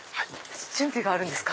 準備があるんですか？